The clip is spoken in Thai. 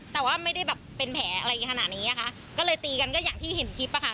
แต่ว่าไม่ได้แบบเป็นแผลอะไรขนาดนี้อ่ะค่ะก็เลยตีกันก็อย่างที่เห็นคลิปอะค่ะ